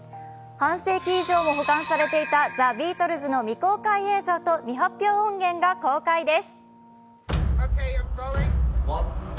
半世紀以上も保管されていたザ・ビートルズの未公開映像と未発表音源が公開です。